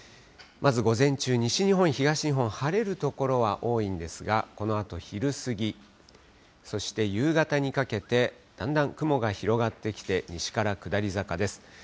まず午前中、西日本、東日本、晴れる所は多いんですが、このあと昼過ぎ、そして夕方にかけて、だんだん雲が広がってきて西から下り坂です。